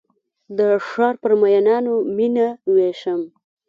د ښارپر میینانو میینه ویشم